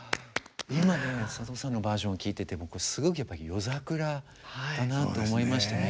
今のね佐藤さんのバージョンを聴いてて僕すごくやっぱり夜桜だなと思いましたね。